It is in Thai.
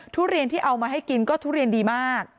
ทุเรียนที่เอามาให้กินก็ทุเรียนดีมาก